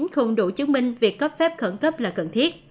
không đủ chứng minh việc cấp phép khẩn cấp là cần thiết